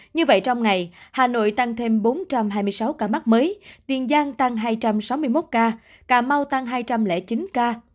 như vậy trong ngày hà nội tăng thêm bốn trăm hai mươi sáu ca mắc mới tiền giang tăng hai trăm sáu mươi một ca cà mau tăng hai trăm linh chín ca